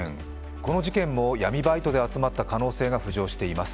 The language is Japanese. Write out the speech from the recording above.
この事件も闇バイトで集まった可能性が浮上しています。